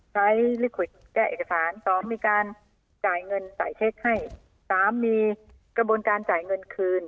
ลิขวิดแก้เอกสารสองมีการจ่ายเงินสายเช็คให้สามมีกระบวนการจ่ายเงินคืน